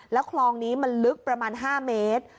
แล้วคลองนี้มันลึกประมาณ๕เมตร